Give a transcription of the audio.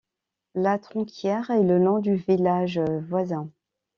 Latronquière est le nom du village voisin.